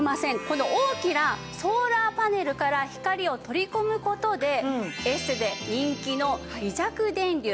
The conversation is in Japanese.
この大きなソーラーパネルから光を取り込む事でエステで人気の微弱電流